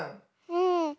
うん。